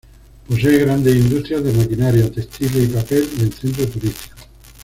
Posee grandes industrias de maquinaria, textiles y papel y en centro turístico.